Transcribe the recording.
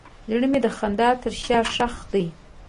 زړه مې د خندا تر شا ښخ دی.